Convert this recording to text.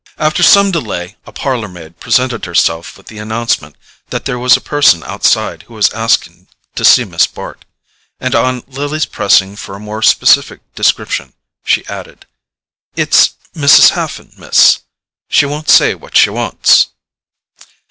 After some delay a parlour maid presented herself with the announcement that there was a person outside who was asking to see Miss Bart; and on Lily's pressing for a more specific description, she added: "It's Mrs. Haffen, Miss; she won't say what she wants."